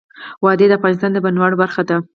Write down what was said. وادي د افغانستان د بڼوالۍ برخه ده.